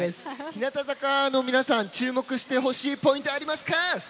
日向坂の皆さん注目してほしいポイントありますか？